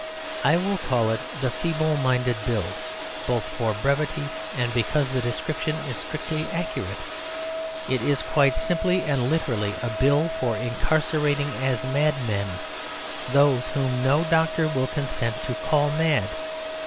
I will call it the Feeble Minded Bill both for brevity and because the description is strictly accurate. It is, quite simply and literally, a Bill for incarcerating as madmen those whom no doctor will consent to call mad.